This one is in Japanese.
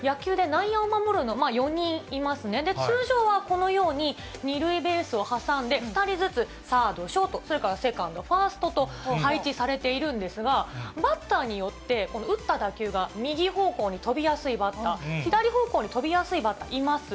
野球で内野を守るのいますよね、通常はこのように、２塁ベースを挟んで２人ずつ、サード、ショートとセカンド、ファーストと配置されているんですが、バッターによって、打った打球が右方向に飛びやすいバッター、左方向に飛びやすいバッターいます。